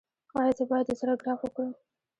ایا زه باید د زړه ګراف وکړم؟